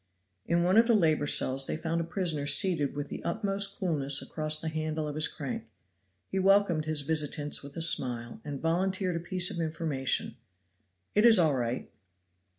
In one of the labor cells they found a prisoner seated with the utmost coolness across the handle of his crank. He welcomed his visitants with a smile, and volunteered a piece of information "It is all right."